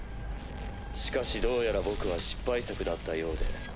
しかしどうやら僕は失敗作だったようで。